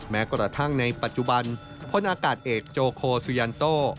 แม้กระทั่งในปัจจุบันพลอากาศเอกโจโคสุยันโต้